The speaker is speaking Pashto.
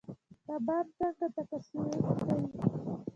کبان څنګه تکثیر کوي؟